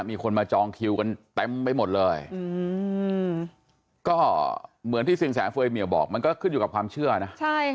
เส้นลายมือเป็นยังไงบ้างฮะ